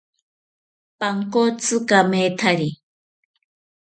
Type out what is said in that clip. Pankotzi kamethari